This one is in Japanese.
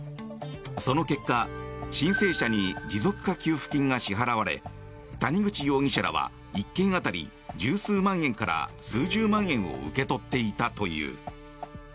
その結果申請者に持続化給付金が支払われ谷口容疑者らは、１件当たり１０数万円から数十万円を受け取っていたという。